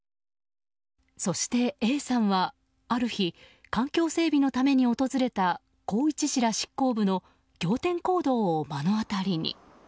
そして、Ａさんはある日、環境整備のために訪れた宏一氏ら執行部の仰天行動を目の当りに。